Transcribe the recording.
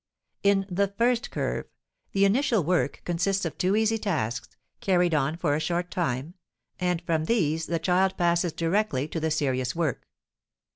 In the first curve, the initial work consists of two easy tasks, carried on for a short time, and from these the child passes directly to the serious work.